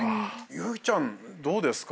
有以ちゃんどうですか？